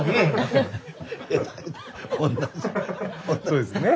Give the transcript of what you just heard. そうですね。